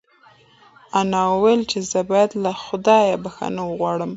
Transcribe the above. انا وویل چې زه باید له خدایه بښنه وغواړم.